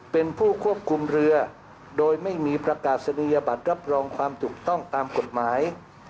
เป็นผู้ควบคุมเรือโดยไม่มีประกาศนียบัตรรับรองความถูกต้องตามกฎหมาย